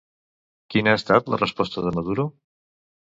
Quina ha estat la resposta de Maduro?